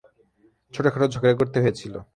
ছোটখাটো ঝগড়া করতে হয়েছিল।